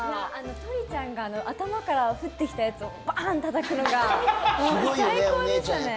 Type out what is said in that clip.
トリちゃんが頭から降ってきたやつをたたくのが最高でしたね。